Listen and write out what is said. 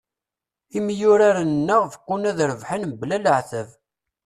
Imyurar-nneɣ beqqun ad rebḥen mebla leɛtab.